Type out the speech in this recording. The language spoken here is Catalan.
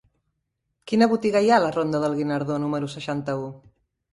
Quina botiga hi ha a la ronda del Guinardó número seixanta-u?